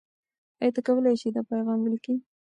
آیا ته کولای شې دا پیغام ولیکې؟